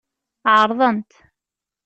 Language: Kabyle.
Ɛeṛḍent.